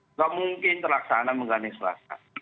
tidak mungkin terlaksana mengganding suasana